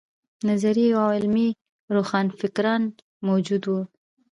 نظري او عملي روښانفکران موجود وو.